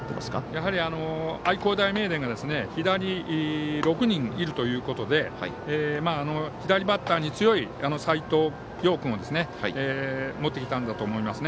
やはり、愛工大名電が左６人いるということで左バッターに強い斎藤蓉君を持ってきたんだと思います。